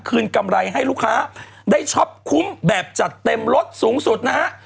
กำไรให้ลูกค้าได้ช็อปคุ้มแบบจัดเต็มรถสูงสุดนะฮะ